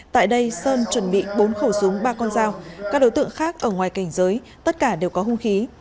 tại đây sơn chuẩn bị bốn khẩu súng ba con dao các đối tượng khác ở ngoài cảnh giới tất cả đều có hung khí